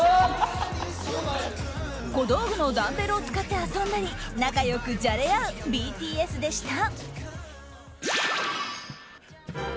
小道具のダンベルを使って遊んだり仲良くじゃれ合うＢＴＳでした。